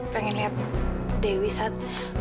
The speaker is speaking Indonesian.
pengen lihat dewi saat